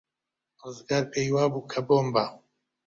ڕزگار پێی وابوو کە بۆمبە.